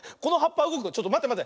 ちょっとまてまて！